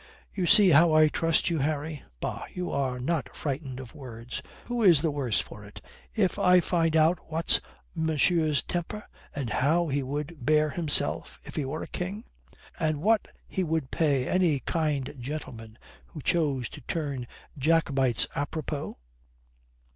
"You see how I trust you, Harry. Bah, you are not frightened of words. Who is the worse for it, if I find out what's Monsieur's temper and how he would bear himself if he were King?" "And what he would pay any kind gentlemen who chose to turn Jacobites apropos."